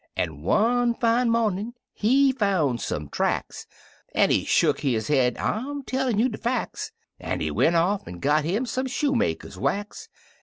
An' one fine momin' he foun' some tracks. An' he shuck his head (I'm teilin' you de facts 1) An' he went off an' got im some shoemaker's wax.